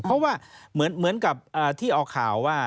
เพราะว่าเหมือนกับที่ออกข่าวว่า